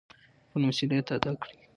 خپل مسؤلیت ادا کړئ.